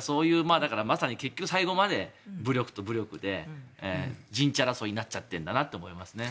そういう最後まで武力と武力で陣地争いになっちゃってるんだなと思いますね。